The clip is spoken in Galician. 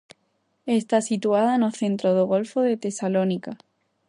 Está situada no centro do golfo de Tesalónica.